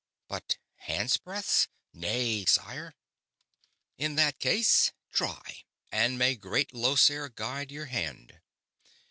But handsbreadths? Nay, sire." "In that case, try; and may Great Llosir guide your hand."